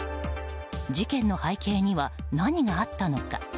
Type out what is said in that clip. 事件の背景には何があったのか？